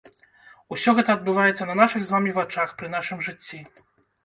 Усё гэта адбываецца на нашых з вамі вачах, пры нашым жыцці.